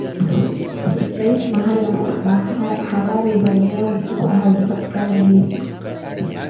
setilaiti Mahali ambapo habari za eneo hususa hazipatikani hizi